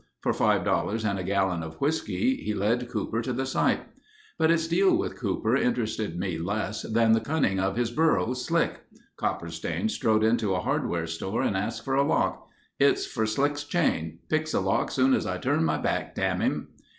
For five dollars and a gallon of whiskey he led Cooper to the site. But his deal with Cooper interested me less than the cunning of his burro, Slick. Copperstain strode into a hardware store and asked for a lock. "It's for Slick's chain. Picks a lock soon as I turn my back—dam' him."